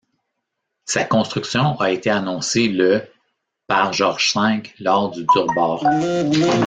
Sa construction a été annoncée le par George V lors du durbar.